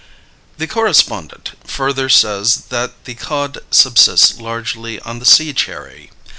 The correspondent further says that "the cod subsists largely on the sea cherry."